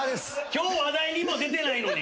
今日話題にも出てないのに？